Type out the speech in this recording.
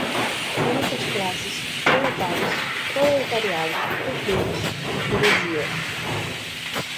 Luta de classes, proletários, proletariado, burgueses, burguesia